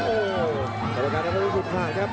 โอ้โหประกาศนักบุญสุขภาคครับ